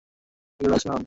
তোমাকে আগেই বলেছিলাম।